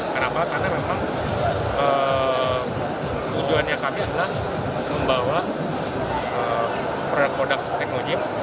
karena memang tujuannya kami adalah membawa produk produk tekno gym